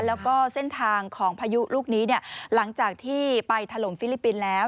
แล้วก็เส้นทางของพายุลูกนี้เนี่ยหลังจากที่ไปถล่มฟิลิปปินส์แล้ว